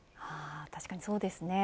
確かにそうですね。